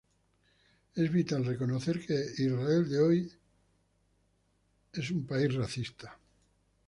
Es vital reconocer que el Israel de hoy en día es un país mixto.